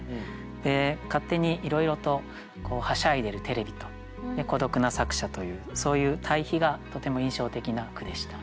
勝手にいろいろとはしゃいでるテレビと孤独な作者というそういう対比がとても印象的な句でした。